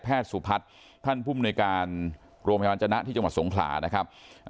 สุพัฒน์ท่านภูมิในการโรงพยาบาลจนะที่จังหวัดสงขลานะครับ